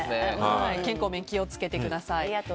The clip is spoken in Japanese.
健康面に気をつけてください。